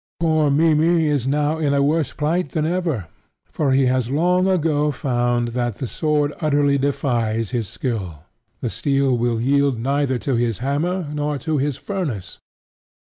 Poor Mimmy is now in a worse plight than ever; for he has long ago found that the sword utterly defies his skill: the steel will yield neither to his hammer nor to his furnace.